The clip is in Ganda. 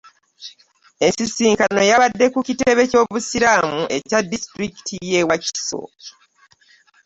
Ensisinkano yabadde ku kitebe ky'obusiraamu ekya disitulikiti y'e Wakiso